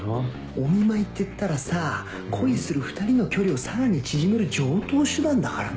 お見舞いっていったらさ恋する２人の距離をさらに縮める常套手段だからね。